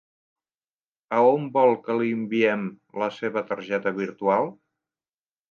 A on vol que li enviem la seva targeta virtual?